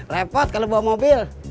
repot kalau bawa mobil